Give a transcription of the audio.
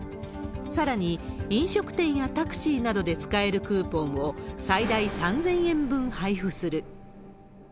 さらに、飲食店やタクシーなどで使えるクーポンを最大３０００円分配布する。